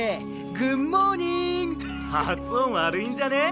発音悪いんじゃねぇ？